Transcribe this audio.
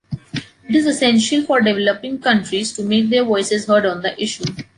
It is essential for developing countries to make their voices heard on the issue.